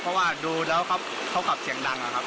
เพราะว่าดูแล้วเขาขับเสียงดังอะครับ